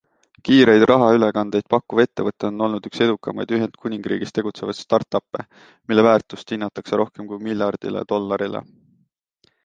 Kiireid rahaülekandeid pakkuv ettevõte on olnud üks edukamaid Ühendkuningriigis tegutsevaid start-uppe, mille väärtust hinnatakse rohkem kui miljardile dollarile.